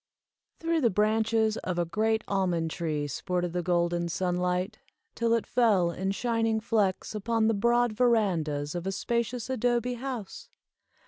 Through the branches of a great almond tree sported the golden sunlight, till it fell in shining flecks upon the broad verandas of a spacious adobe house.